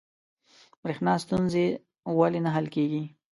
بریښنا ستونزه ولې نه حل کیږي؟